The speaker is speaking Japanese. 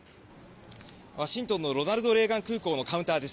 ワシントンのロナルド・レーガン空港のカウンターです。